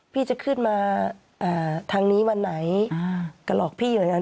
พี่จะขึ้นมาทางนี้วันไหนก็หลอกพี่อยู่เหมือนกัน